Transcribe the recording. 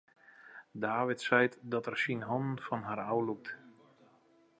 David seit dat er syn hannen fan har ôflûkt.